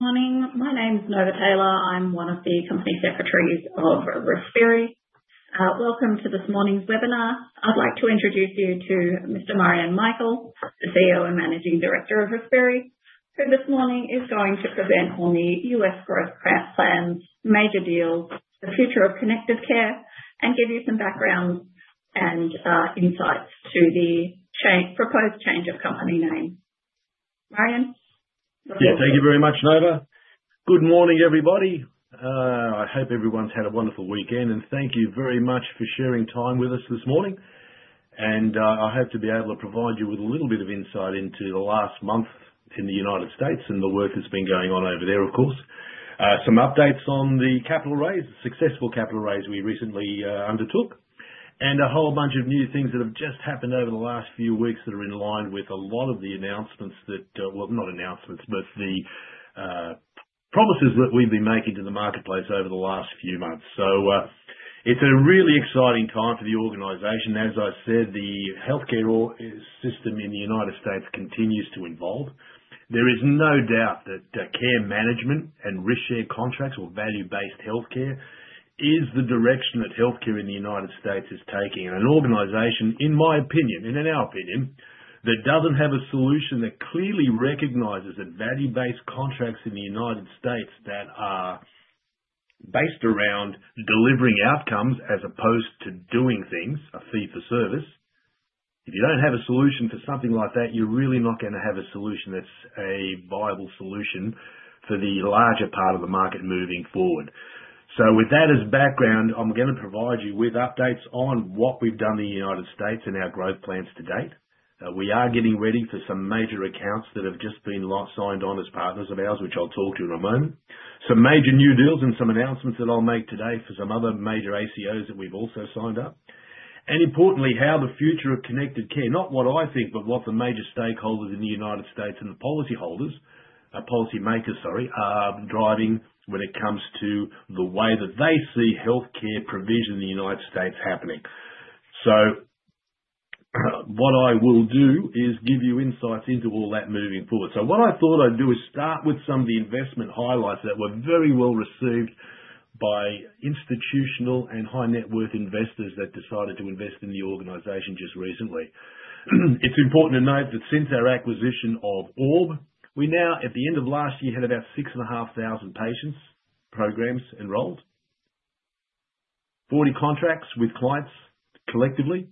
Morning. My name's Nova Taylor. I'm one of the company secretaries of Respiri Limited. Welcome to this morning's webinar. I'd like to introduce you to Mr. Marjan Mikel, the CEO and Managing Director of Respiri Limited, who this morning is going to present on the U.S. Growth Plans, Major Deals, the Future of Connected Care, and give you some background and insights to the proposed change of company name. Marjan? Yeah, thank you very much, Nova. Good morning, everybody. I hope everyone's had a wonderful weekend, and thank you very much for sharing time with us this morning. I hope to be able to provide you with a little bit of insight into the last month in the United States and the work that's been going on over there, of course. Some updates on the capital raise, the successful capital raise we recently undertook, and a whole bunch of new things that have just happened over the last few weeks that are in line with a lot of the announcements that, well, not announcements, but the promises that we've been making to the marketplace over the last few months. It is a really exciting time for the organization. As I said, the healthcare system in the United States continues to evolve. There is no doubt that care management and risk-shared contracts or value-based healthcare is the direction that healthcare in the United States is taking. An organization, in my opinion, and in our opinion, that does not have a solution that clearly recognizes that value-based contracts in the United States that are based around delivering outcomes as opposed to doing things, a fee for service, if you do not have a solution for something like that, you are really not going to have a solution that is a viable solution for the larger part of the market moving forward. With that as background, I am going to provide you with updates on what we have done in the United States and our growth plans to date. We are getting ready for some major accounts that have just been signed on as partners of ours, which I will talk to in a moment. Some major new deals and some announcements that I'll make today for some other major ACOs that we've also signed up. Importantly, how the future of connected care, not what I think, but what the major stakeholders in the United States and the policymakers are driving when it comes to the way that they see healthcare provision in the United States happening. What I will do is give you insights into all that moving forward. What I thought I'd do is start with some of the investment highlights that were very well received by institutional and high-net-worth investors that decided to invest in the organization just recently. It's important to note that since our acquisition of Orb, we now, at the end of last year, had about 6,500 patient programs enrolled, 40 contracts with clients collectively.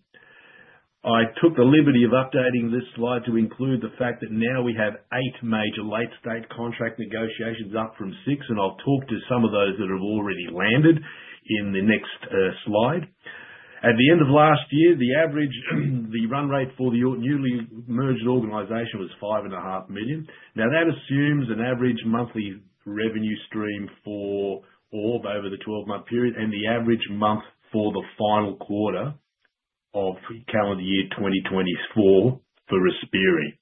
I took the liberty of updating this slide to include the fact that now we have eight major late-stage contract negotiations up from six, and I'll talk to some of those that have already landed in the next slide. At the end of last year, the average run rate for the newly merged organization was $5.5 million. Now, that assumes an average monthly revenue stream for Orb over the 12-month period and the average month for the final quarter of calendar year 2024 for Vitasora.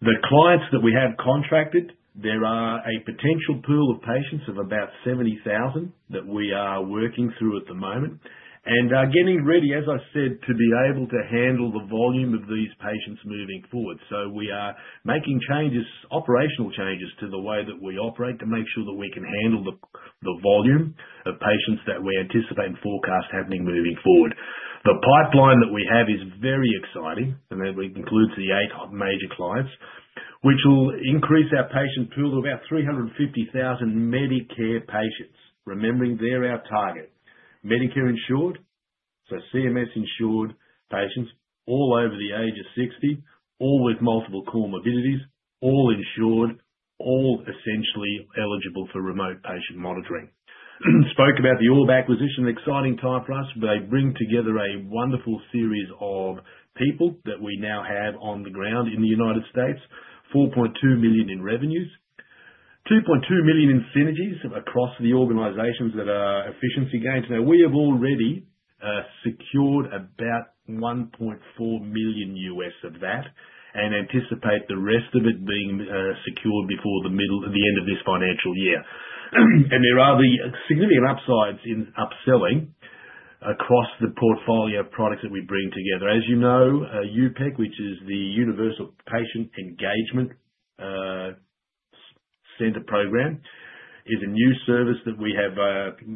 The clients that we have contracted, there are a potential pool of patients of about 70,000 that we are working through at the moment and are getting ready, as I said, to be able to handle the volume of these patients moving forward. We are making changes, operational changes to the way that we operate to make sure that we can handle the volume of patients that we anticipate and forecast happening moving forward. The pipeline that we have is very exciting, and it includes the eight major clients, which will increase our patient pool to about 350,000 Medicare patients. Remembering, they're our target. Medicare insured, so CMS-insured patients all over the age of 60, all with multiple comorbidities, all insured, all essentially eligible for remote patient monitoring. Spoke about the Orb acquisition, an exciting time for us. They bring together a wonderful series of people that we now have on the ground in the United States, $4.2 million in revenues, $2.2 million in synergies across the organizations that are efficiency gains. Now, we have already secured about $1.4 million of that and anticipate the rest of it being secured before the end of this financial year. There are significant upsides in upselling across the portfolio of products that we bring together. As you know, UPIC, which is the Universal Patient Engagement Center program, is a new service that we have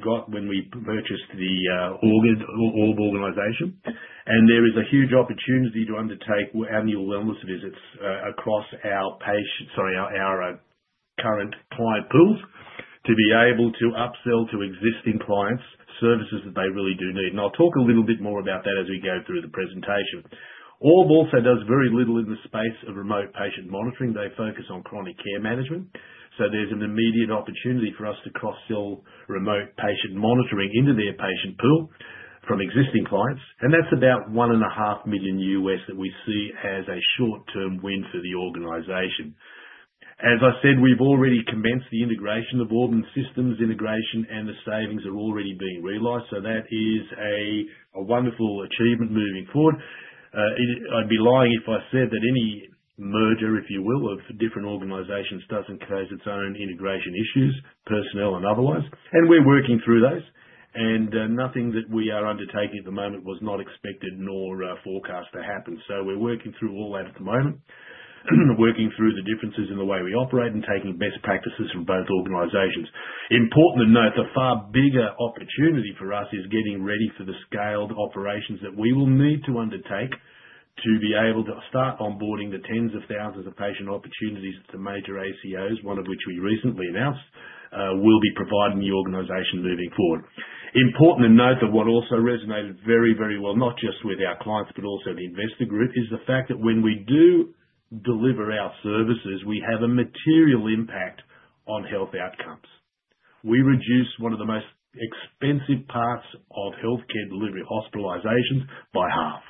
got when we purchased the Orb organization. There is a huge opportunity to undertake annual wellness visits across our current client pools to be able to upsell to existing clients services that they really do need. I'll talk a little bit more about that as we go through the presentation. Orb also does very little in the space of remote patient monitoring. They focus on chronic care management. There is an immediate opportunity for us to cross-sell remote patient monitoring into their patient pool from existing clients. That is about $1.5 million U.S. that we see as a short-term win for the organization. As I said, we have already commenced the integration of Orb and systems integration, and the savings are already being realized. That is a wonderful achievement moving forward. I would be lying if I said that any merger, if you will, of different organizations does not cause its own integration issues, personnel and otherwise. We are working through those. Nothing that we are undertaking at the moment was not expected nor forecast to happen. We are working through all that at the moment, working through the differences in the way we operate and taking best practices from both organizations. Important to note, the far bigger opportunity for us is getting ready for the scaled operations that we will need to undertake to be able to start onboarding the tens of thousands of patient opportunities to major ACOs, one of which we recently announced will be providing the organization moving forward. Important to note that what also resonated very, very well, not just with our clients, but also the investor group, is the fact that when we do deliver our services, we have a material impact on health outcomes. We reduce one of the most expensive parts of healthcare delivery, hospitalizations, by half.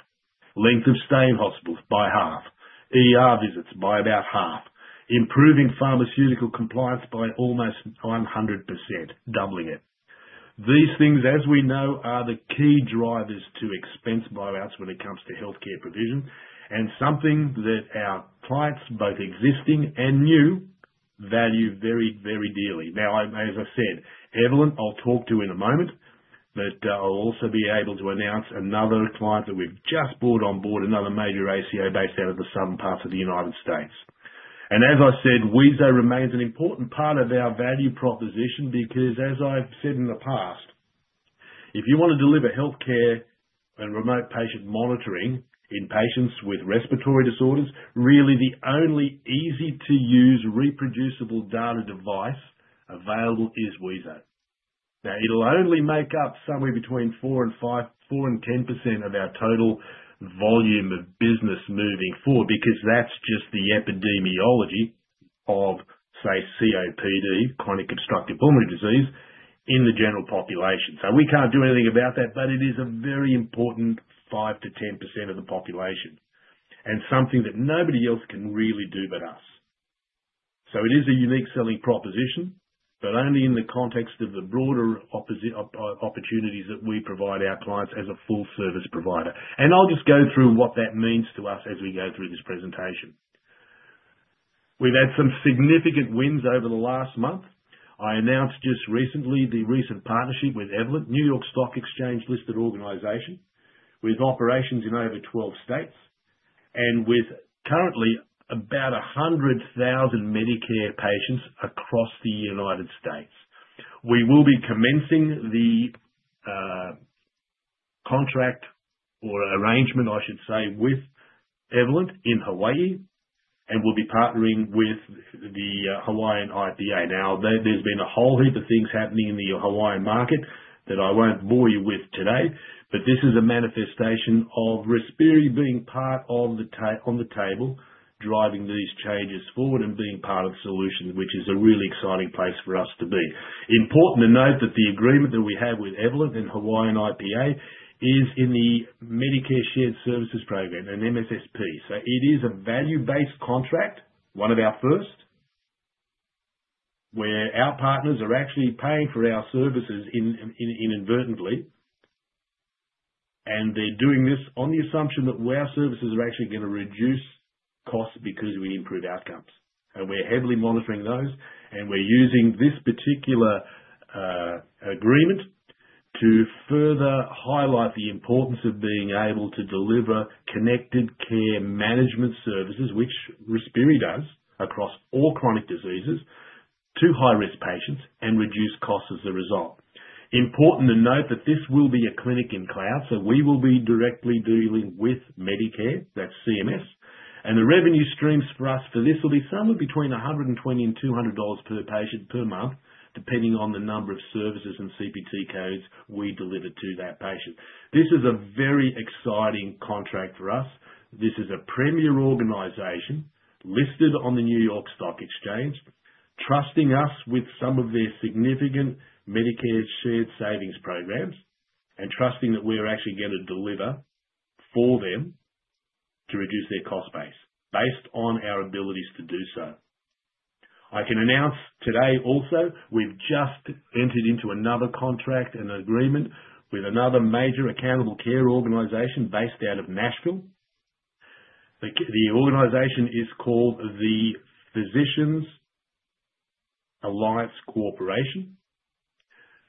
Length of stay in hospitals, by half. Visits, by about half. Improving pharmaceutical compliance by almost 100%, doubling it. These things, as we know, are the key drivers to expense buyouts when it comes to healthcare provision and something that our clients, both existing and new, value very, very dearly. Now, as I said, Evolent, I'll talk to in a moment, but I'll also be able to announce another client that we've just brought on board, another major ACO based out of the southern parts of the United States. As I said, wheezo remains an important part of our value proposition because, as I've said in the past, if you want to deliver healthcare and remote patient monitoring in patients with respiratory disorders, really the only easy-to-use reproducible data device available is wheezo. Now, it'll only make up somewhere between 4% and 10% of our total volume of business moving forward because that's just the epidemiology of, say, COPD, chronic obstructive pulmonary disease, in the general population. We can't do anything about that, but it is a very important 5%-10% of the population and something that nobody else can really do but us. It is a unique selling proposition, but only in the context of the broader opportunities that we provide our clients as a full-service provider. I'll just go through what that means to us as we go through this presentation. We've had some significant wins over the last month. I announced just recently the recent partnership with Evolent, New York Stock Exchange-listed organization with operations in over 12 states and with currently about 100,000 Medicare patients across the United States. We will be commencing the contract or arrangement, I should say, with Evolent in Hawaii and will be partnering with the Hawaii IPA. Now, there's been a whole heap of things happening in the Hawaiian market that I won't bore you with today, but this is a manifestation of Respiri being part of the table, driving these changes forward and being part of solutions, which is a really exciting place for us to be. Important to note that the agreement that we have with Evolent and Hawaii IPA is in the Medicare Shared Savings Program, an MSSP. It is a value-based contract, one of our first, where our partners are actually paying for our services inadvertently, and they're doing this on the assumption that our services are actually going to reduce costs because we improve outcomes. We're heavily monitoring those, and we're using this particular agreement to further highlight the importance of being able to deliver connected care management services, which Respiri does across all chronic diseases, to high-risk patients and reduce costs as a result. Important to note that this will be a Clinic in Cloud, so we will be directly dealing with Medicare, that's CMS. The revenue streams for us for this will be somewhere between $120 and $200 per patient per month, depending on the number of services and CPT codes we deliver to that patient. This is a very exciting contract for us. This is a premier organization listed on the New York Stock Exchange, trusting us with some of their significant Medicare Shared Savings Programs and trusting that we're actually going to deliver for them to reduce their cost base based on our abilities to do so. I can announce today also, we've just entered into another contract and agreement with another major Accountable Care Organization based out of Nashville. The organization is called Physicians Alliance Corporation.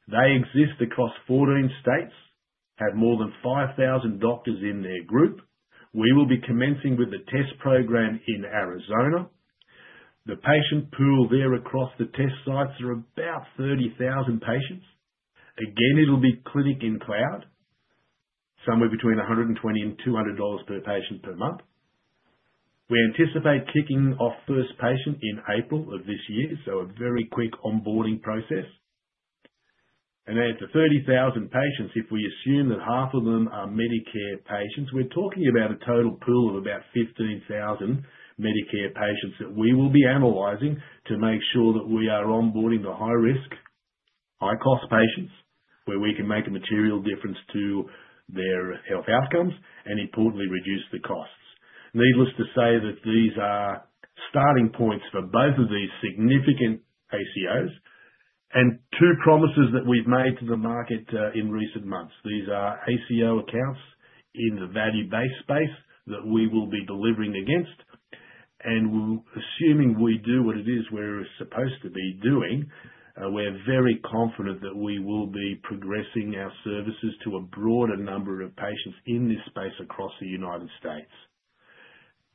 They exist across 14 states, have more than 5,000 doctors in their group. We will be commencing with the test program in Arizona. The patient pool there across the test sites are about 30,000 patients. Again, it'll be Clinic in Cloud, somewhere between $120-$200 per patient per month. We anticipate kicking off first patient in April of this year, so a very quick onboarding process. It is 30,000 patients. If we assume that half of them are Medicare patients, we're talking about a total pool of about 15,000 Medicare patients that we will be analyzing to make sure that we are onboarding the high-risk, high-cost patients where we can make a material difference to their health outcomes and, importantly, reduce the costs. Needless to say that these are starting points for both of these significant ACOs and two promises that we've made to the market in recent months. These are ACO accounts in the value-based space that we will be delivering against. Assuming we do what it is we're supposed to be doing, we're very confident that we will be progressing our services to a broader number of patients in this space across the United States.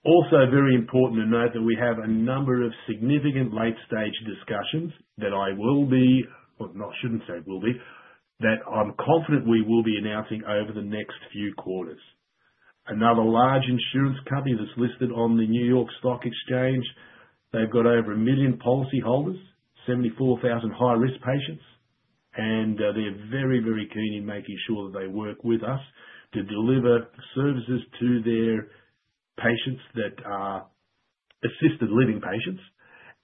Also, very important to note that we have a number of significant late-stage discussions that I will be—no, I shouldn't say will be—that I'm confident we will be announcing over the next few quarters. Another large insurance company that's listed on the New York Stock Exchange, they've got over a million policyholders, 74,000 high-risk patients, and they're very, very keen in making sure that they work with us to deliver services to their patients that are assisted living patients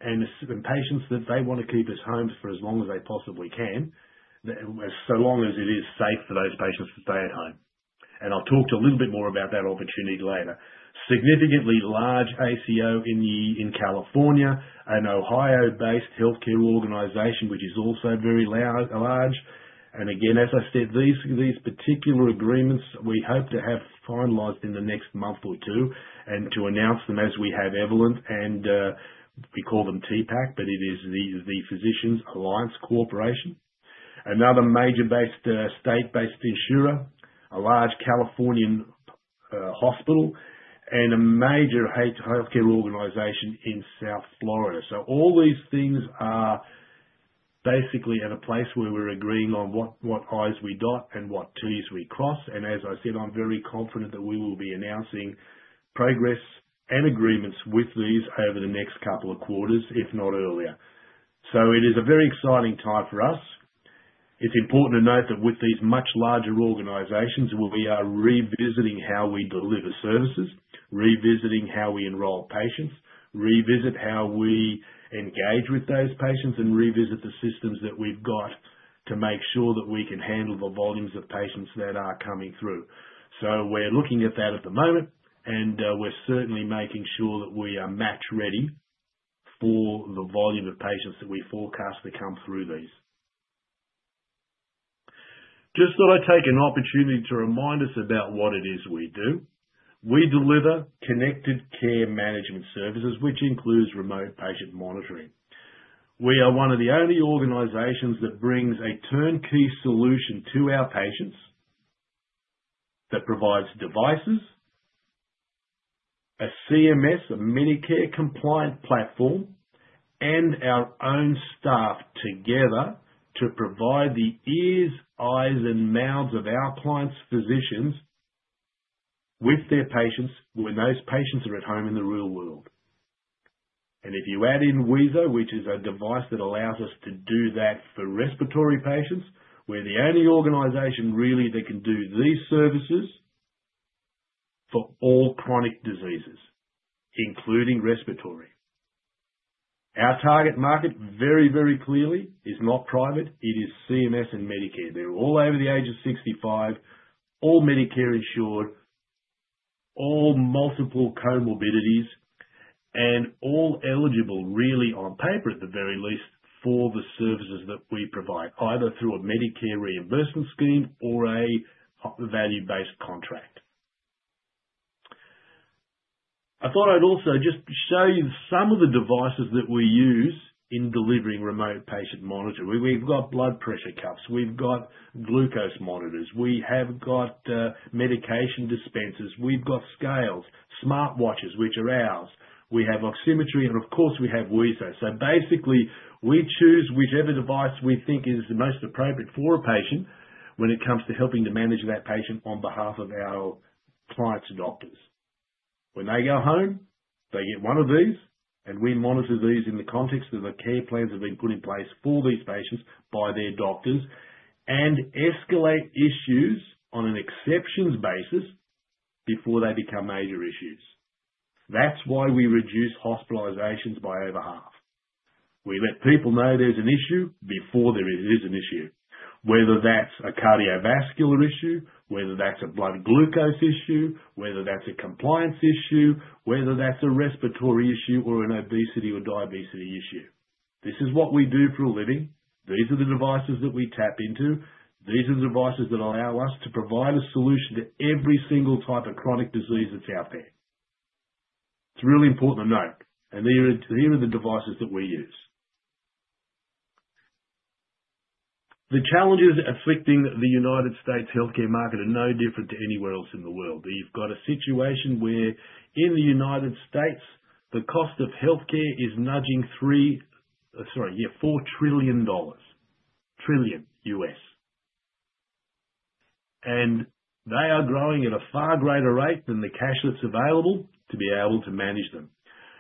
and patients that they want to keep at home for as long as they possibly can, so long as it is safe for those patients to stay at home. I'll talk a little bit more about that opportunity later. Significantly large ACO in California, an Ohio-based healthcare organization, which is also very large. As I said, these particular agreements we hope to have finalized in the next month or two and to announce them as we have Evolent. We call them TPAC, but it is the Physicians Alliance Corporation. Another major state-based insurer, a large Californian hospital, and a major healthcare organization in South Florida. All these things are basically at a place where we're agreeing on what I's we dot and what T's we cross. As I said, I'm very confident that we will be announcing progress and agreements with these over the next couple of quarters, if not earlier. It is a very exciting time for us. It's important to note that with these much larger organizations, we are revisiting how we deliver services, revisiting how we enroll patients, revisit how we engage with those patients, and revisit the systems that we've got to make sure that we can handle the volumes of patients that are coming through. We are looking at that at the moment, and we're certainly making sure that we are match-ready for the volume of patients that we forecast to come through these. I just thought I'd take an opportunity to remind us about what it is we do. We deliver connected care management services, which includes remote patient monitoring. We are one of the only organizations that brings a turnkey solution to our patients that provides devices, a CMS, a Medicare-compliant platform, and our own staff together to provide the ears, eyes, and mouths of our clients, physicians, with their patients when those patients are at home in the real world. If you add in wheezo, which is a device that allows us to do that for respiratory patients, we're the only organization really that can do these services for all chronic diseases, including respiratory. Our target market, very, very clearly, is not private. It is CMS and Medicare. They're all over the age of 65, all Medicare insured, all multiple comorbidities, and all eligible, really, on paper at the very least, for the services that we provide, either through a Medicare reimbursement scheme or a value-based contract. I thought I'd also just show you some of the devices that we use in delivering remote patient monitoring. We've got blood pressure cuffs. We've got glucose monitors. We have got medication dispensers. We've got scales, smart watches, which are ours. We have oximetry, and of course, we have wheezo. Basically, we choose whichever device we think is the most appropriate for a patient when it comes to helping to manage that patient on behalf of our clients' doctors. When they go home, they get one of these, and we monitor these in the context of the care plans that have been put in place for these patients by their doctors and escalate issues on an exceptions basis before they become major issues. That's why we reduce hospitalizations by over half. We let people know there's an issue before there is an issue, whether that's a cardiovascular issue, whether that's a blood glucose issue, whether that's a compliance issue, whether that's a respiratory issue, or an obesity or diabetes issue. This is what we do for a living. These are the devices that we tap into. These are the devices that allow us to provide a solution to every single type of chronic disease that's out there. It's really important to note. Here are the devices that we use. The challenges afflicting the U.S. healthcare market are no different to anywhere else in the world. You've got a situation where in the United States, the cost of healthcare is nudging three, sorry, yeah, four trillion dollars, trillion U.S. They are growing at a far greater rate than the cash that's available to be able to manage them.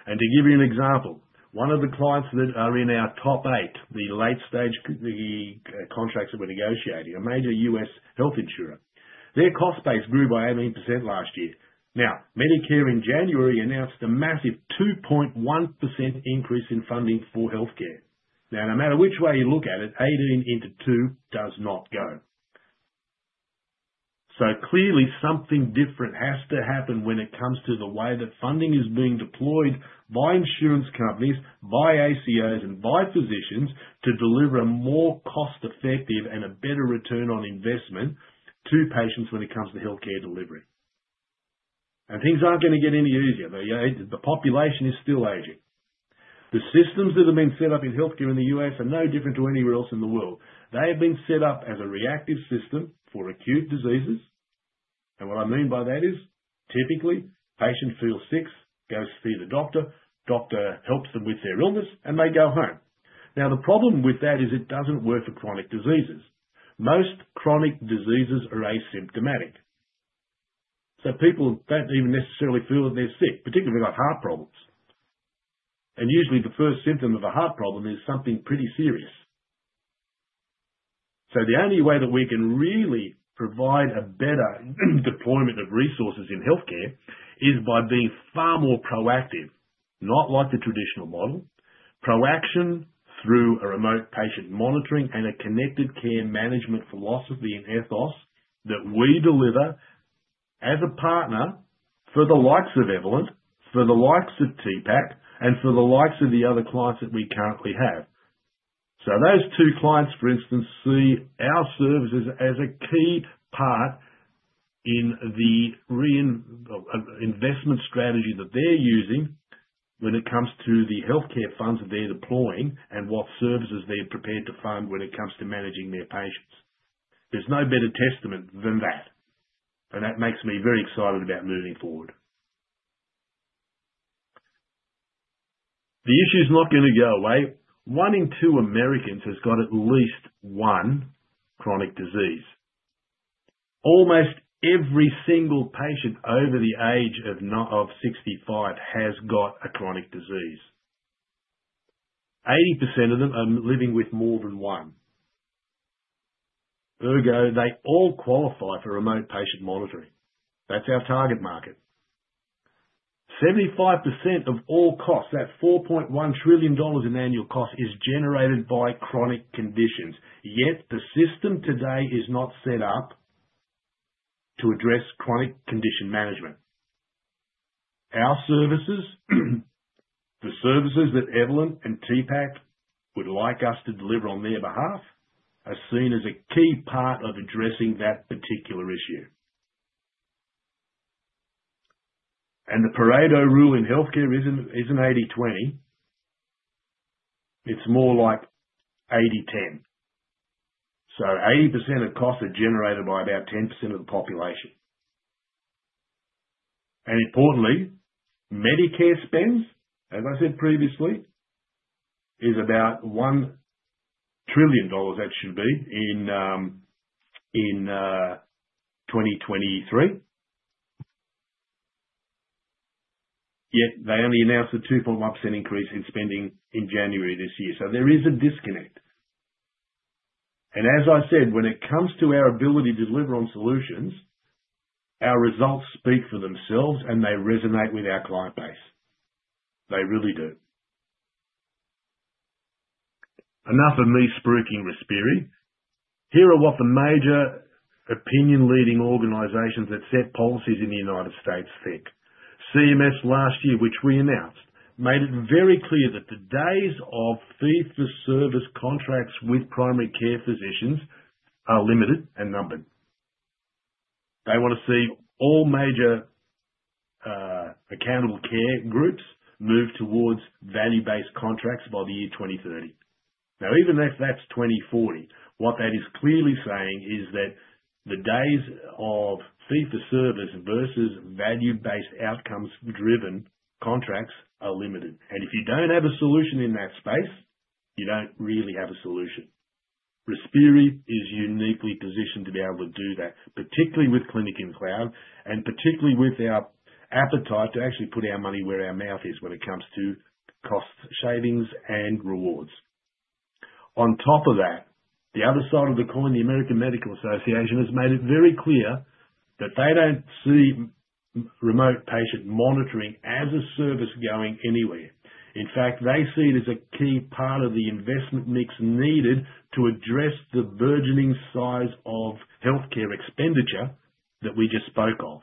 To give you an example, one of the clients that are in our top eight, the late-stage contracts that we're negotiating, a major U.S. health insurer, their cost base grew by 18% last year. Medicare in January announced a massive 2.1% increase in funding for healthcare. No matter which way you look at it, 18 into 2 does not go. Clearly, something different has to happen when it comes to the way that funding is being deployed by insurance companies, by ACOs, and by physicians to deliver a more cost-effective and a better return on investment to patients when it comes to healthcare delivery. Things aren't going to get any easier. The population is still aging. The systems that have been set up in healthcare in the U.S. are no different to anywhere else in the world. They have been set up as a reactive system for acute diseases. What I mean by that is, typically, patient feels sick, goes to see the doctor, doctor helps them with their illness, and they go home. The problem with that is it doesn't work for chronic diseases. Most chronic diseases are asymptomatic. People don't even necessarily feel that they're sick, particularly if they've got heart problems. Usually, the first symptom of a heart problem is something pretty serious. The only way that we can really provide a better deployment of resources in healthcare is by being far more proactive, not like the traditional model, proaction through a remote patient monitoring and a connected care management philosophy and ethos that we deliver as a partner for the likes of Evolent, for the likes of TPAC, and for the likes of the other clients that we currently have. Those two clients, for instance, see our services as a key part in the investment strategy that they're using when it comes to the healthcare funds that they're deploying and what services they're prepared to fund when it comes to managing their patients. There's no better testament than that. That makes me very excited about moving forward. The issue's not going to go away. One in two Americans has got at least one chronic disease. Almost every single patient over the age of 65 has got a chronic disease. 80% of them are living with more than one. Ergo, they all qualify for remote patient monitoring. That's our target market. 75% of all costs, that $4.1 trillion in annual cost, is generated by chronic conditions. Yet the system today is not set up to address chronic condition management. Our services, the services that Evolent and TPAC would like us to deliver on their behalf, are seen as a key part of addressing that particular issue. The Pareto rule in healthcare isn't 80/20. It's more like 80/10. 80% of costs are generated by about 10% of the population. Importantly, Medicare spends, as I said previously, is about $1 trillion, that should be, in 2023. Yet they only announced a 2.1% increase in spending in January this year. There is a disconnect. As I said, when it comes to our ability to deliver on solutions, our results speak for themselves, and they resonate with our client base. They really do. Enough of me spruiking Respiri. Here are what the major opinion-leading organizations that set policies in the United States think. CMS last year, which we announced, made it very clear that the days of fee-for-service contracts with primary care physicians are limited and numbered. They want to see all major accountable care groups move towards value-based contracts by the year 2030. Now, even if that is 2040, what that is clearly saying is that the days of fee-for-service versus value-based outcomes-driven contracts are limited. If you do not have a solution in that space, you do not really have a solution. Health is uniquely positioned to be able to do that, particularly with Clinic in Cloud and particularly with our appetite to actually put our money where our mouth is when it comes to cost savings and rewards. On top of that, the other side of the coin, the American Medical Association, has made it very clear that they don't see remote patient monitoring as a service going anywhere. In fact, they see it as a key part of the investment mix needed to address the burgeoning size of healthcare expenditure that we just spoke of.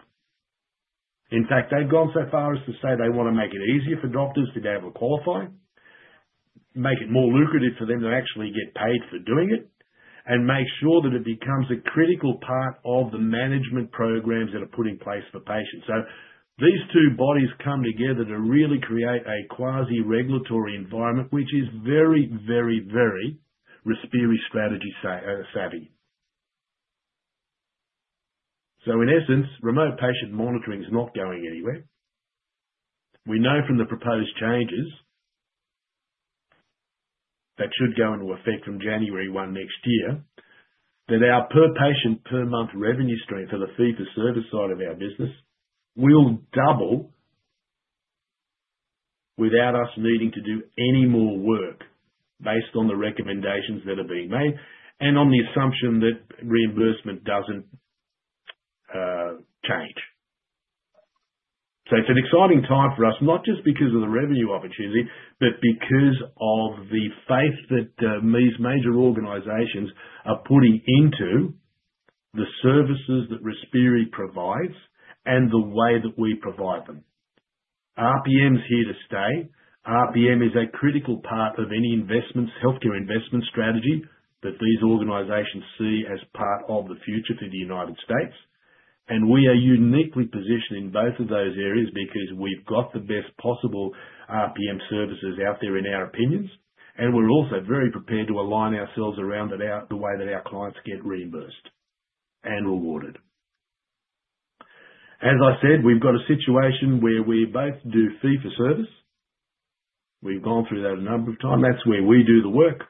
In fact, they've gone so far as to say they want to make it easier for doctors to be able to qualify, make it more lucrative for them to actually get paid for doing it, and make sure that it becomes a critical part of the management programs that are put in place for patients. These two bodies come together to really create a quasi-regulatory environment, which is very, very, very Vitasora strategy savvy. In essence, remote patient monitoring is not going anywhere. We know from the proposed changes that should go into effect from January 1 next year that our per-patient-per-month revenue stream for the fee-for-service side of our business will double without us needing to do any more work based on the recommendations that are being made and on the assumption that reimbursement does not change. It is an exciting time for us, not just because of the revenue opportunity, but because of the faith that these major organizations are putting into the services that Vitasora provides and the way that we provide them. RPM's here to stay. RPM is a critical part of any healthcare investment strategy that these organizations see as part of the future for the United States. We are uniquely positioned in both of those areas because we've got the best possible RPM services out there in our opinions. We are also very prepared to align ourselves around the way that our clients get reimbursed and rewarded. As I said, we've got a situation where we both do fee-for-service. We've gone through that a number of times. That's where we do the work.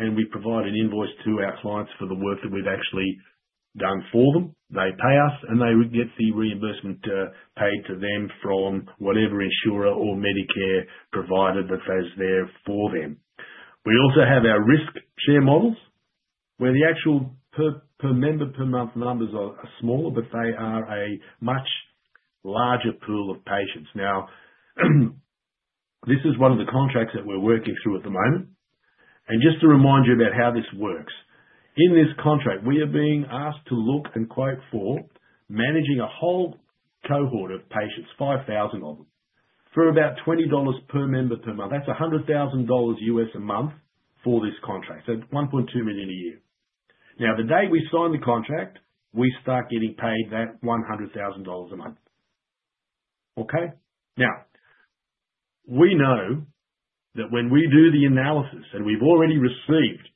We provide an invoice to our clients for the work that we've actually done for them. They pay us, and they would get the reimbursement paid to them from whatever insurer or Medicare provider that's there for them. We also have our risk-share models where the actual per-member-per-month numbers are smaller, but they are a much larger pool of patients. This is one of the contracts that we're working through at the moment. Just to remind you about how this works, in this contract, we are being asked to look and quote for managing a whole cohort of patients, 5,000 of them, for about $20 per member per month. That's $100,000 a month for this contract, so $1.2 million a year. The day we sign the contract, we start getting paid that $100,000 a month. Okay? We know that when we do the analysis, and we've already received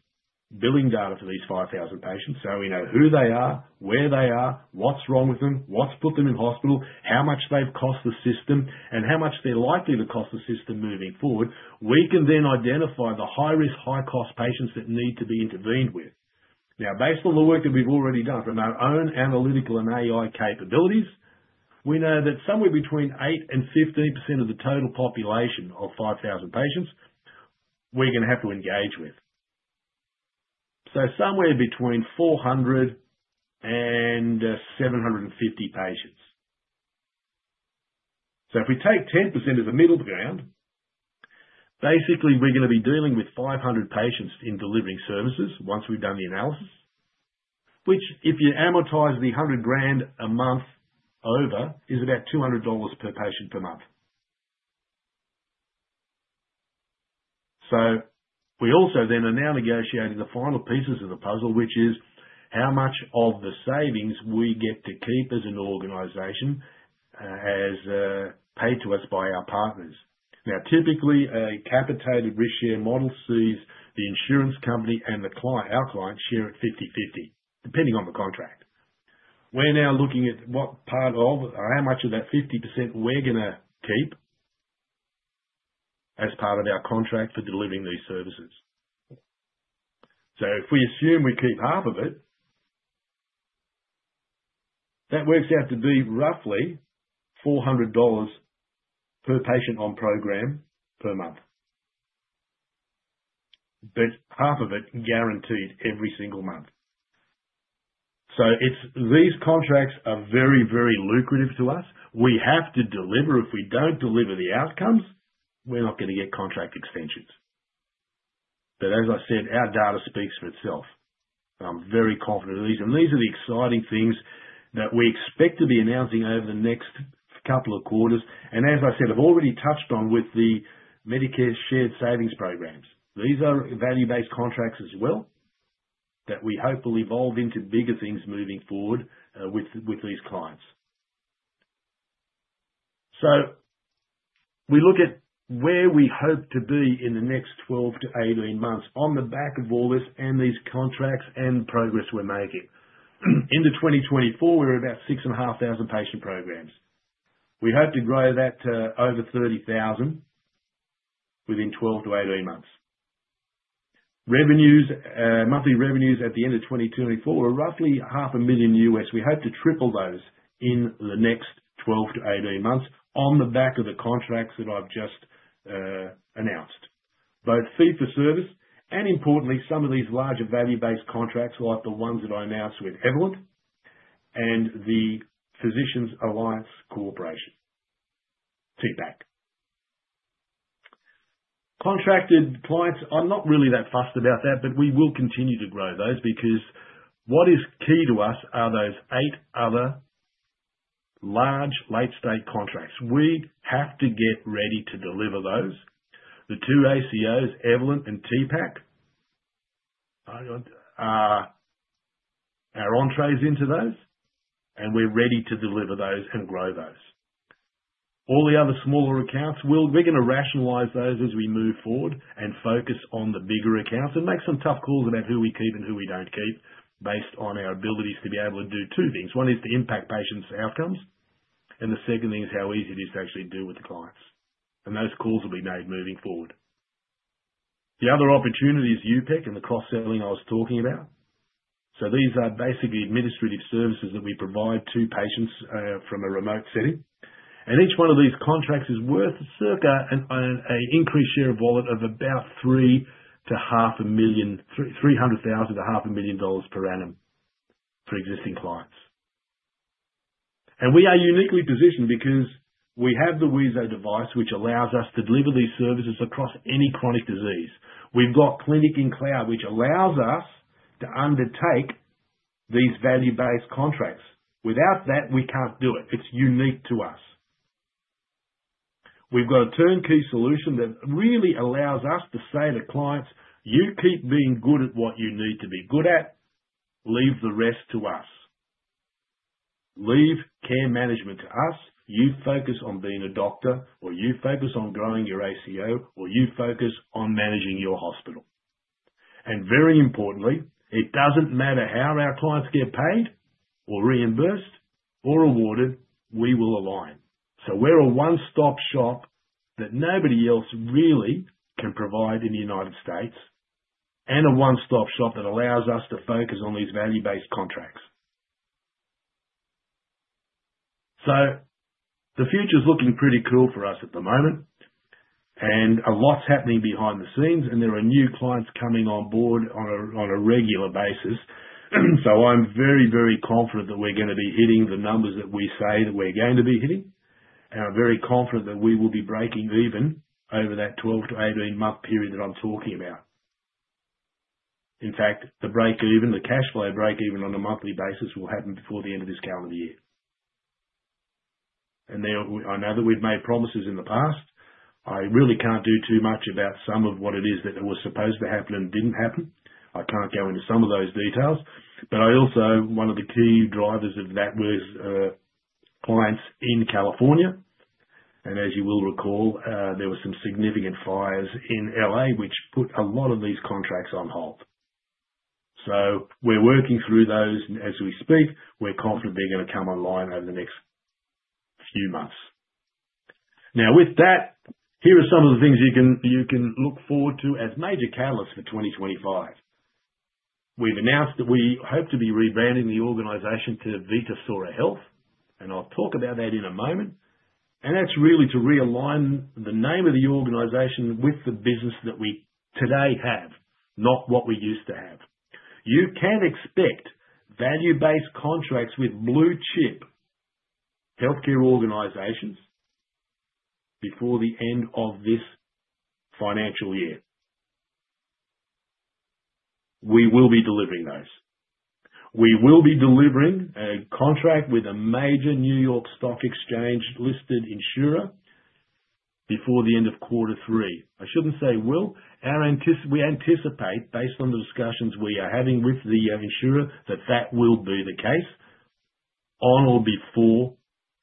billing data for these 5,000 patients, so we know who they are, where they are, what's wrong with them, what's put them in hospital, how much they've cost the system, and how much they're likely to cost the system moving forward, we can then identify the high-risk, high-cost patients that need to be intervened with. Now, based on the work that we've already done from our own analytical and AI capabilities, we know that somewhere between 8% and 15% of the total population of 5,000 patients we're going to have to engage with. So somewhere between 400 and 750 patients. If we take 10% of the middle ground, basically, we're going to be dealing with 500 patients in delivering services once we've done the analysis, which, if you amortize the $100,000 a month over, is about $200 per patient per month. We also then are now negotiating the final pieces of the puzzle, which is how much of the savings we get to keep as an organization as paid to us by our partners. Now, typically, a capitated risk-share model sees the insurance company and our client share it 50/50, depending on the contract. We're now looking at what part of, or how much of that 50% we're going to keep as part of our contract for delivering these services. If we assume we keep half of it, that works out to be roughly $400 per patient on program per month, but half of it guaranteed every single month. These contracts are very, very lucrative to us. We have to deliver. If we don't deliver the outcomes, we're not going to get contract extensions. As I said, our data speaks for itself. I'm very confident of these. These are the exciting things that we expect to be announcing over the next couple of quarters. As I said, I've already touched on with the Medicare Shared Savings Programs. These are value-based contracts as well that we hope will evolve into bigger things moving forward with these clients. We look at where we hope to be in the next 12-18 months on the back of all this and these contracts and progress we're making. Into 2024, we're about 6,500 patient programs. We hope to grow that to over 30,000 within 12-18 months. Monthly revenues at the end of 2024 are roughly $500,000. We hope to triple those in the next 12-18 months on the back of the contracts that I've just announced, both fee-for-service and, importantly, some of these larger value-based contracts like the ones that I announced with Evolent and the Physicians Alliance Corporation, TPAC. Contracted clients, I'm not really that fussed about that, but we will continue to grow those because what is key to us are those eight other large late-stage contracts. We have to get ready to deliver those. The two ACOs, Evolent and Physicians Alliance Corporation, are our entrees into those, and we're ready to deliver those and grow those. All the other smaller accounts, we're going to rationalize those as we move forward and focus on the bigger accounts and make some tough calls about who we keep and who we don't keep based on our abilities to be able to do two things. One is to impact patients' outcomes, and the second thing is how easy it is to actually deal with the clients. Those calls will be made moving forward. The other opportunity is UPIC and the cross-selling I was talking about. These are basically administrative services that we provide to patients from a remote setting. Each one of these contracts is worth circa an increased share of wallet of about $300,000-$500,000 per annum for existing clients. We are uniquely positioned because we have the wheezo device, which allows us to deliver these services across any chronic disease. We have Clinic in Cloud, which allows us to undertake these value-based contracts. Without that, we cannot do it. It is unique to us. We have a turnkey solution that really allows us to say to clients, "You keep being good at what you need to be good at. Leave the rest to us. Leave care management to us. You focus on being a doctor, or you focus on growing your ACO, or you focus on managing your hospital." Very importantly, it does not matter how our clients get paid or reimbursed or awarded, we will align. We're a one-stop shop that nobody else really can provide in the United States and a one-stop shop that allows us to focus on these value-based contracts. The future is looking pretty cool for us at the moment, and a lot's happening behind the scenes, and there are new clients coming on board on a regular basis. I'm very, very confident that we're going to be hitting the numbers that we say that we're going to be hitting, and I'm very confident that we will be breaking even over that 12-18-month period that I'm talking about. In fact, the break-even, the cash flow break-even on a monthly basis will happen before the end of this calendar year. I know that we've made promises in the past. I really can't do too much about some of what it is that was supposed to happen and didn't happen. I can't go into some of those details. I also, one of the key drivers of that was clients in California. As you will recall, there were some significant fires in Los Angeles, which put a lot of these contracts on hold. We're working through those as we speak. We're confident they're going to come online over the next few months. Now, with that, here are some of the things you can look forward to as major catalysts for 2025. We've announced that we hope to be rebranding the organization to Vitasora Health, and I'll talk about that in a moment. That's really to realign the name of the organization with the business that we today have, not what we used to have. You can expect value-based contracts with blue-chip healthcare organizations before the end of this financial year. We will be delivering those. We will be delivering a contract with a major New York Stock Exchange-listed insurer before the end of quarter three. I shouldn't say will. We anticipate, based on the discussions we are having with the insurer, that that will be the case on or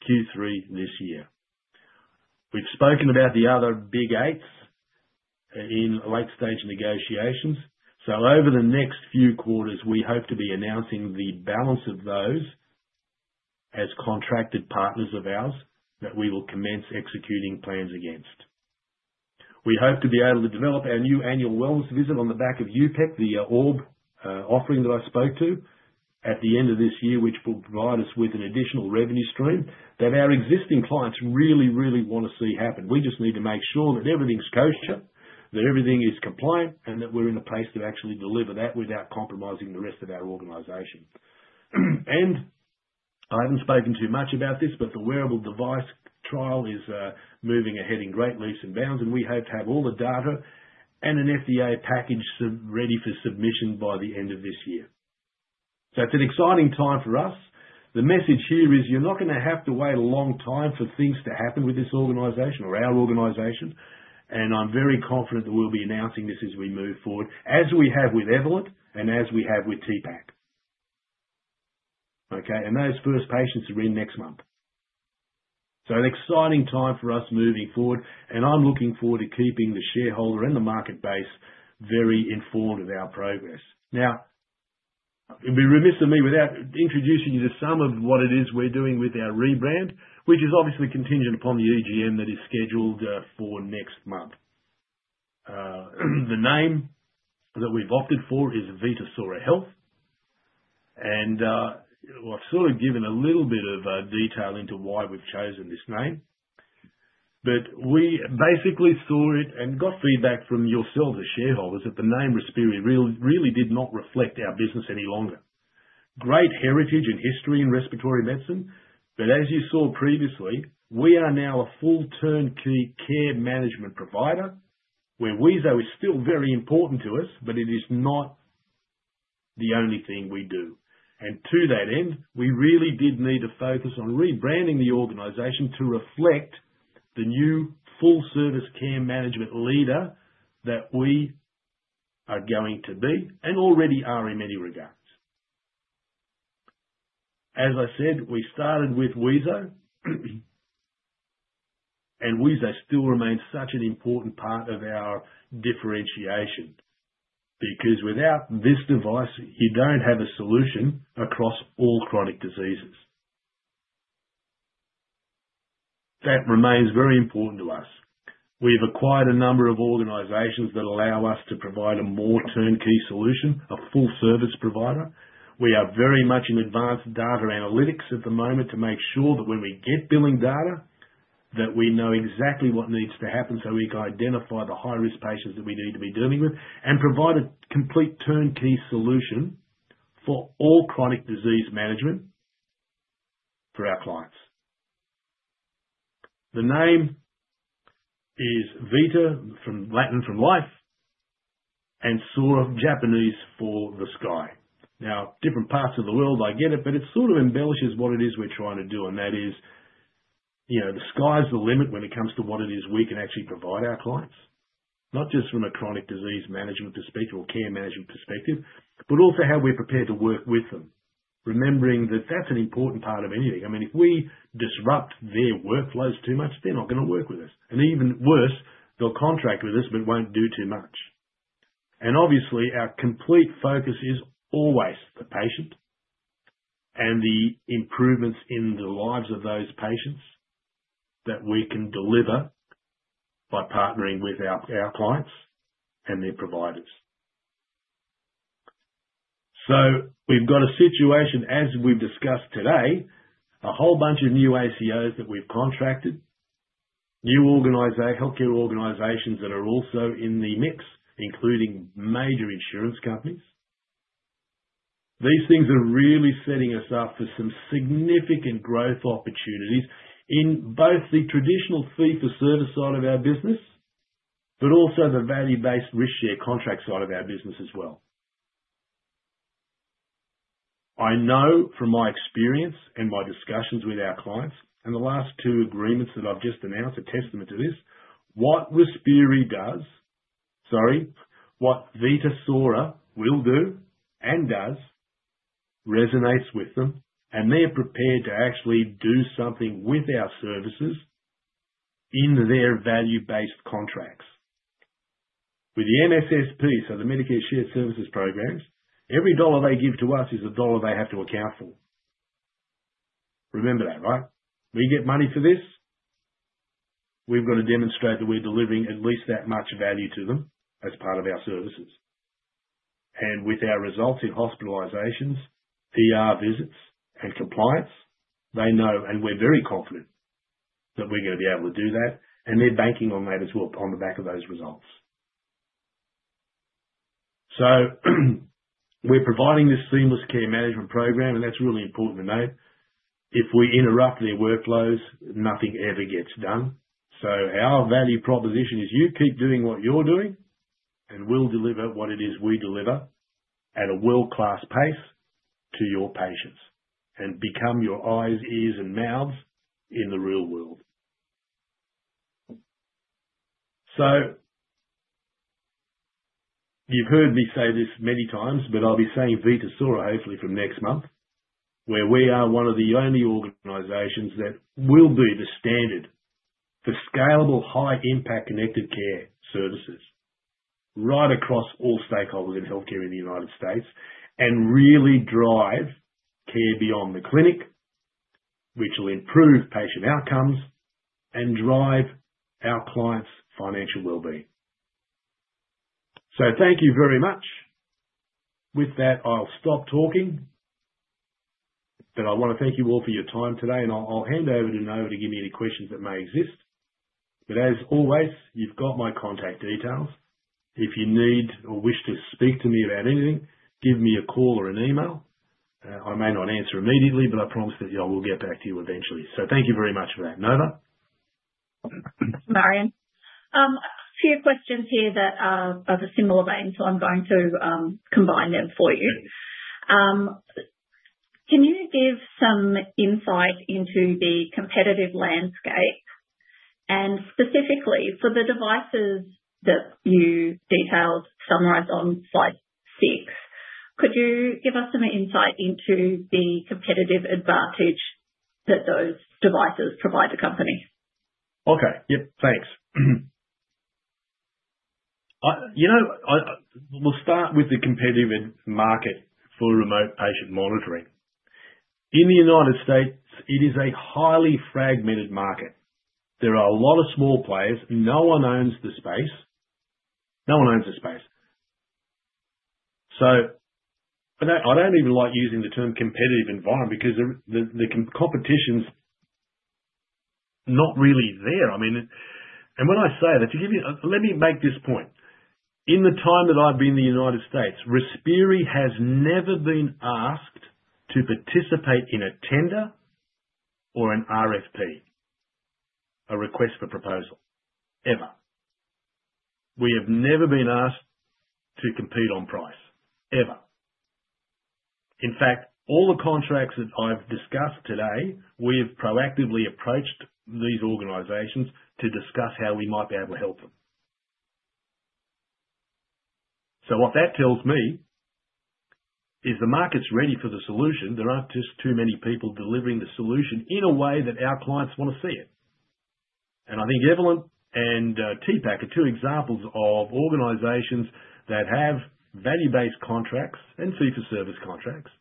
before Q3 this year. We've spoken about the other big eights in late-stage negotiations. Over the next few quarters, we hope to be announcing the balance of those as contracted partners of ours that we will commence executing plans against. We hope to be able to develop our new annual wellness visit on the back of UPIC, the Orb offering that I spoke to at the end of this year, which will provide us with an additional revenue stream that our existing clients really, really want to see happen. We just need to make sure that everything's kosher and that everything is compliant and that we're in a place to actually deliver that without compromising the rest of our organization. I haven't spoken too much about this, but the wearable device trial is moving ahead in great leaps and bounds, and we hope to have all the data and an FDA package ready for submission by the end of this year. It is an exciting time for us. The message here is you're not going to have to wait a long time for things to happen with this organization or our organization. I'm very confident that we'll be announcing this as we move forward, as we have with Evolent and as we have with TPAC. Okay? Those first patients are in next month. An exciting time for us moving forward, and I'm looking forward to keeping the shareholder and the market base very informed of our progress. Now, it'd be remiss of me without introducing you to some of what it is we're doing with our rebrand, which is obviously contingent upon the EGM that is scheduled for next month. The name that we've opted for is Vitasora Health. I've sort of given a little bit of detail into why we've chosen this name. We basically saw it and got feedback from yourselves, the shareholders, that the name Respiri really did not reflect our business any longer. Great heritage and history in respiratory medicine. As you saw previously, we are now a full turnkey care management provider where wheezo is still very important to us, but it is not the only thing we do. To that end, we really did need to focus on rebranding the organization to reflect the new full-service care management leader that we are going to be and already are in many regards. As I said, we started with wheezo, and wheezo still remains such an important part of our differentiation because without this device, you do not have a solution across all chronic diseases. That remains very important to us. We've acquired a number of organizations that allow us to provide a more turnkey solution, a full-service provider. We are very much in advanced data analytics at the moment to make sure that when we get billing data, that we know exactly what needs to happen so we can identify the high-risk patients that we need to be dealing with and provide a complete turnkey solution for all chronic disease management for our clients. The name is Vita from Latin for life and Sora Japanese for the sky. Now, different parts of the world, I get it, but it sort of embellishes what it is we're trying to do. The sky's the limit when it comes to what it is we can actually provide our clients, not just from a chronic disease management perspective or care management perspective, but also how we're prepared to work with them, remembering that that's an important part of anything. I mean, if we disrupt their workflows too much, they're not going to work with us. Even worse, they'll contract with us but won't do too much. Obviously, our complete focus is always the patient and the improvements in the lives of those patients that we can deliver by partnering with our clients and their providers. We have a situation, as we've discussed today, a whole bunch of new ACOs that we've contracted, new healthcare organizations that are also in the mix, including major insurance companies. These things are really setting us up for some significant growth opportunities in both the traditional fee-for-service side of our business, but also the value-based risk-share contract side of our business as well. I know from my experience and my discussions with our clients and the last two agreements that I've just announced are testament to this, what Vitasora does—sorry, what Vitasora will do and does—resonates with them, and they are prepared to actually do something with our services in their value-based contracts. With the MSSP, so the Medicare Shared Savings Program, every dollar they give to us is a dollar they have to account for. Remember that, right? We get money for this. We've got to demonstrate that we're delivering at least that much value to them as part of our services. With our results in hospitalizations, ER visits, and compliance, they know, and we're very confident that we're going to be able to do that. They're banking on that as well on the back of those results. We're providing this seamless care management program, and that's really important to know. If we interrupt their workflows, nothing ever gets done. Our value proposition is you keep doing what you're doing, and we'll deliver what it is we deliver at a world-class pace to your patients and become your eyes, ears, and mouths in the real world. You have heard me say this many times, but I will be saying Vitasora hopefully from next month, where we are one of the only organizations that will be the standard for scalable, high-impact connected care services right across all stakeholders in healthcare in the United States and really drive care beyond the clinic, which will improve patient outcomes and drive our clients' financial well-being. Thank you very much. With that, I will stop talking, but I want to thank you all for your time today. I will hand over to Nova to give me any questions that may exist. As always, you have got my contact details. If you need or wish to speak to me about anything, give me a call or an email. I may not answer immediately, but I promise that I will get back to you eventually. Thank you very much for that, Nova. Marjan. A few questions here that are of a similar vein, so I'm going to combine them for you. Can you give some insight into the competitive landscape? Specifically, for the devices that you detailed and summarized on slide six, could you give us some insight into the competitive advantage that those devices provide the company? Okay. Yep. Thanks. We'll start with the competitive market for remote patient monitoring. In the United States, it is a highly fragmented market. There are a lot of small players. No one owns the space. No one owns the space. I don't even like using the term competitive environment because the competition's not really there. I mean, and when I say that, let me make this point. In the time that I've been in the United States, Vitasora Health has never been asked to participate in a tender or an RFP, a request for proposal, ever. We have never been asked to compete on price, ever. In fact, all the contracts that I've discussed today, we have proactively approached these organizations to discuss how we might be able to help them. What that tells me is the market's ready for the solution. There aren't just too many people delivering the solution in a way that our clients want to see it. I think Evolent and TPAC are two examples of organizations that have value-based contracts and fee-for-service contracts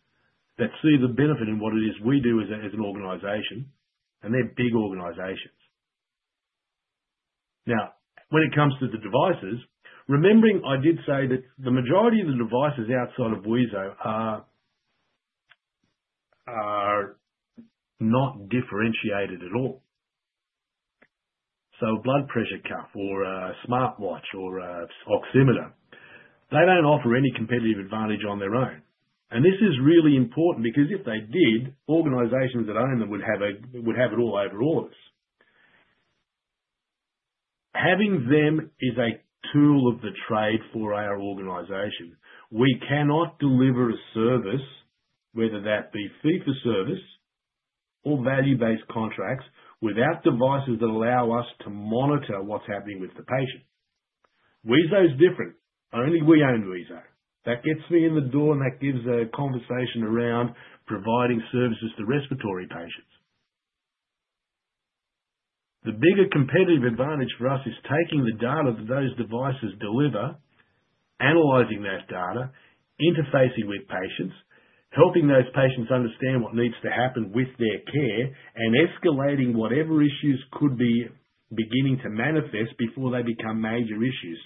that see the benefit in what it is we do as an organization, and they're big organizations. Now, when it comes to the devices, remembering I did say that the majority of the devices outside of wheezo are not differentiated at all. A blood pressure cuff or a smartwatch or an oximeter, they don't offer any competitive advantage on their own. This is really important because if they did, organizations that own them would have it all over all of us. Having them is a tool of the trade for our organization. We cannot deliver a service, whether that be fee-for-service or value-based contracts, without devices that allow us to monitor what's happening with the patient. wheezo's different. Only we own wheezo. That gets me in the door, and that gives a conversation around providing services to respiratory patients. The bigger competitive advantage for us is taking the data that those devices deliver, analyzing that data, interfacing with patients, helping those patients understand what needs to happen with their care, and escalating whatever issues could be beginning to manifest before they become major issues.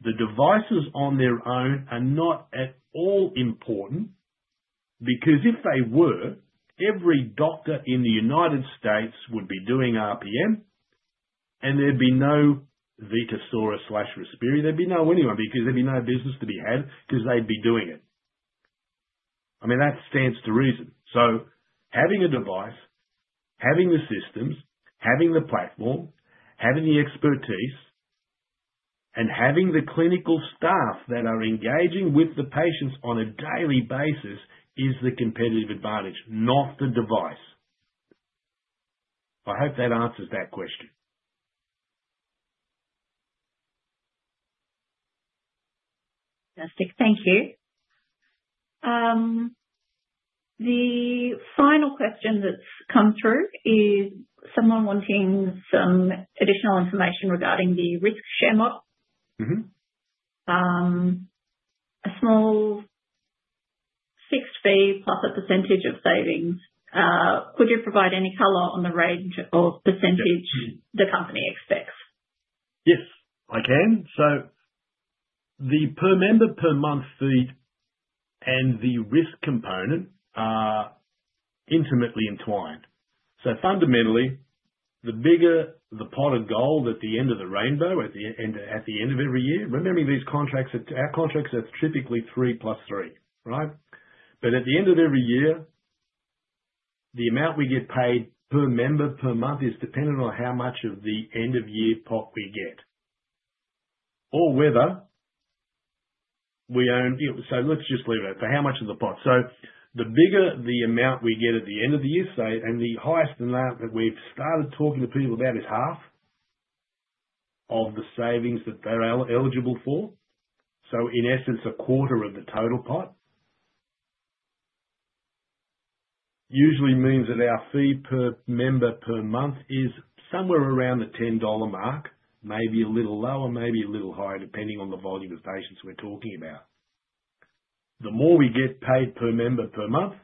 The devices on their own are not at all important because if they were, every doctor in the United States would be doing RPM, and there'd be no Vitasora/Respiri. There'd be no anyone because there'd be no business to be had because they'd be doing it. I mean, that stands to reason. Having a device, having the systems, having the platform, having the expertise, and having the clinical staff that are engaging with the patients on a daily basis is the competitive advantage, not the device. I hope that answers that question. Fantastic. Thank you. The final question that's come through is someone wanting some additional information regarding the risk share model. A small fixed fee plus a percentage of savings. Could you provide any color on the range of percentage the company expects? Yes, I can. The per member per month fee and the risk component are intimately entwined. Fundamentally, the bigger the pot of gold at the end of the rainbow, at the end of every year, remembering these contracts, our contracts are typically three plus three, right? At the end of every year, the amount we get paid per member per month is dependent on how much of the end-of-year pot we get or whether we own—let's just leave it at how much of the pot. The bigger the amount we get at the end of the year, and the highest amount that we've started talking to people about is half of the savings that they're eligible for. In essence, a quarter of the total pot usually means that our fee per member per month is somewhere around the $10 mark, maybe a little lower, maybe a little higher, depending on the volume of patients we're talking about. The more we get paid per member per month,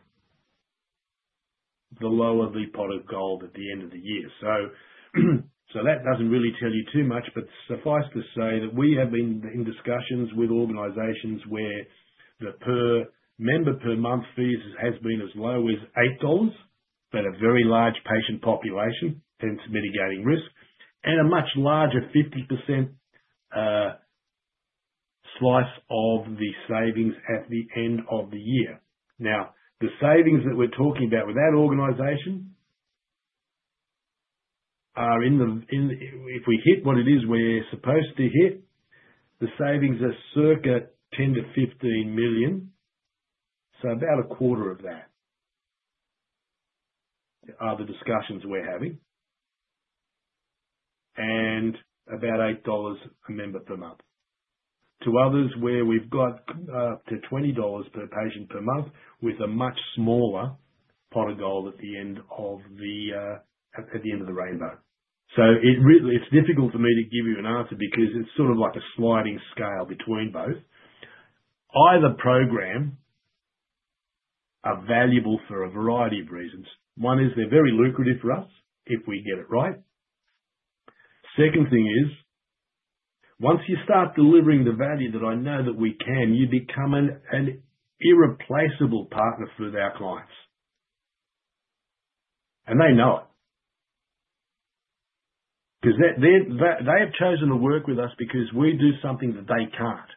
the lower the pot of gold at the end of the year. That doesn't really tell you too much, but suffice to say that we have been in discussions with organizations where the per member per month fees have been as low as $8 for a very large patient population and mitigating risk, and a much larger 50% slice of the savings at the end of the year. Now, the savings that we're talking about with that organization are in the—if we hit what it is we're supposed to hit, the savings are circa $10 million-$15 million. About a quarter of that are the discussions we're having, and about $8 a member per month. To others where we've got up to $20 per patient per month with a much smaller pot of gold at the end of the rainbow. It's difficult for me to give you an answer because it's sort of like a sliding scale between both. Either program are valuable for a variety of reasons. One is they're very lucrative for us if we get it right. Second thing is, once you start delivering the value that I know that we can, you become an irreplaceable partner for our clients. They know it because they have chosen to work with us because we do something that they can't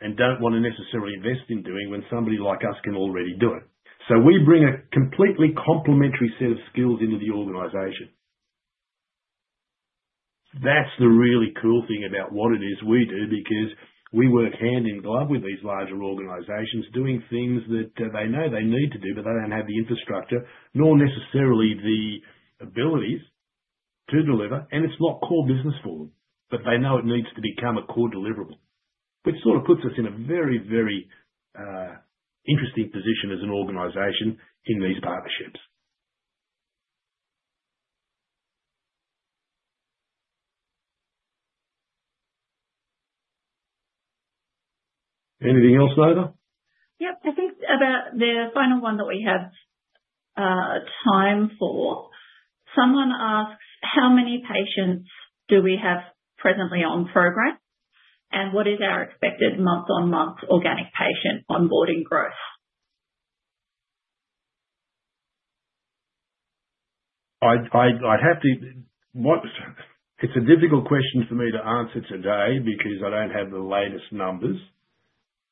and don't want to necessarily invest in doing when somebody like us can already do it. We bring a completely complementary set of skills into the organization. That's the really cool thing about what it is we do because we work hand in glove with these larger organizations doing things that they know they need to do, but they don't have the infrastructure nor necessarily the abilities to deliver. It's not core business for them, but they know it needs to become a core deliverable, which sort of puts us in a very, very interesting position as an organization in these partnerships. Anything else, Nova? Yep. I think about the final one that we have time for. Someone asks, "How many patients do we have presently on program? And what is our expected month-on-month organic patient onboarding growth? I have to—it's a difficult question for me to answer today because I don't have the latest numbers.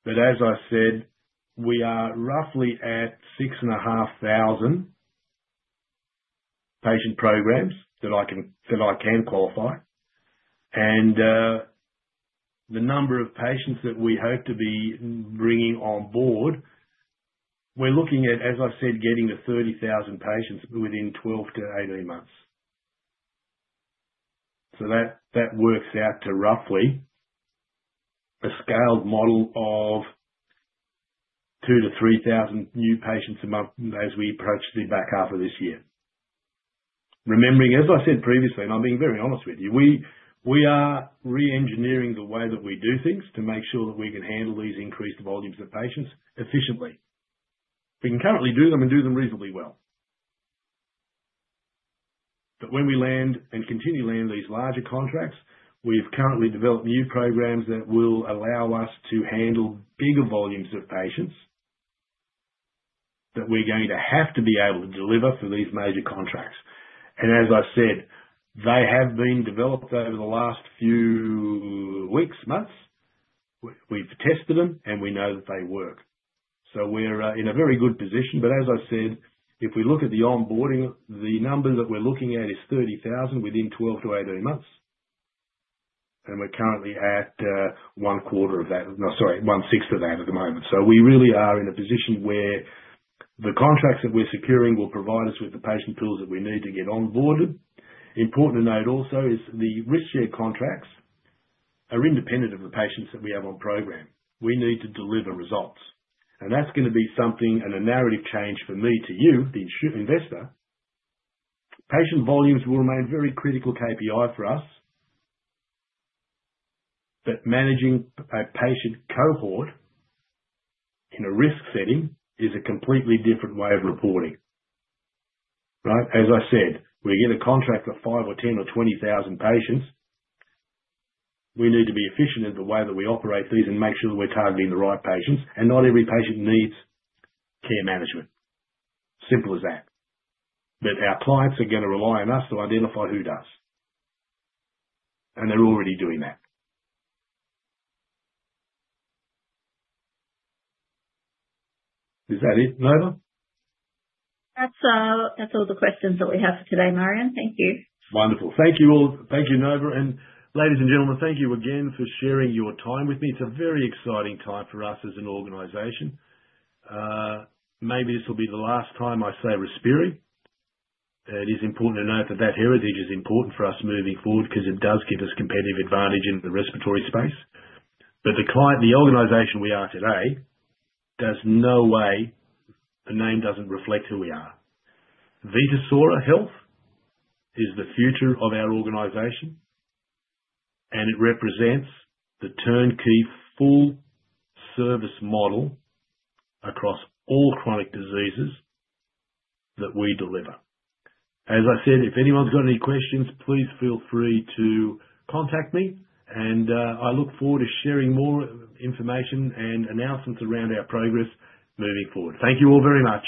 As I said, we are roughly at 6,500 patient programs that I can qualify. The number of patients that we hope to be bringing on board, we're looking at, as I said, getting to 30,000 patients within 12 to 18 months. That works out to roughly a scaled model of 2,000-3,000 new patients a month as we approach the back half of this year. Remembering, as I said previously, and I'm being very honest with you, we are re-engineering the way that we do things to make sure that we can handle these increased volumes of patients efficiently. We can currently do them and do them reasonably well. When we land and continue to land these larger contracts, we've currently developed new programs that will allow us to handle bigger volumes of patients that we're going to have to be able to deliver for these major contracts. As I said, they have been developed over the last few weeks, months. We've tested them, and we know that they work. We are in a very good position. As I said, if we look at the onboarding, the number that we're looking at is 30,000 within 12 to 18 months. We're currently at one quarter of that—no, sorry, one sixth of that at the moment. We really are in a position where the contracts that we're securing will provide us with the patient tools that we need to get onboarded. Important to note also is the risk share contracts are independent of the patients that we have on program. We need to deliver results. That is going to be something and a narrative change for me to you, the investor. Patient volumes will remain very critical KPI for us, but managing a patient cohort in a risk setting is a completely different way of reporting, right? As I said, we get a contract for 5 or 10 or 20,000 patients. We need to be efficient in the way that we operate these and make sure that we are targeting the right patients. Not every patient needs care management. Simple as that. Our clients are going to rely on us to identify who does. They are already doing that. Is that it, Nova? That's all the questions that we have for today, Marjan. Thank you. Wonderful. Thank you all. Thank you, Nova. Ladies and gentlemen, thank you again for sharing your time with me. It's a very exciting time for us as an organization. Maybe this will be the last time I say Respiri. It is important to note that that heritage is important for us moving forward because it does give us competitive advantage in the respiratory space. The client, the organization we are today, there's no way the name doesn't reflect who we are. Vitasora Health is the future of our organization, and it represents the turnkey full-service model across all chronic diseases that we deliver. As I said, if anyone's got any questions, please feel free to contact me. I look forward to sharing more information and announcements around our progress moving forward. Thank you all very much.